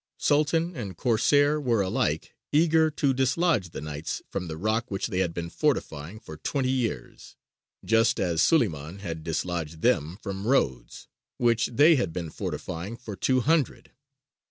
Sultan and Corsair were alike eager to dislodge the Knights from the rock which they had been fortifying for twenty years, just as Suleymān had dislodged them from Rhodes, which they had been fortifying for two hundred.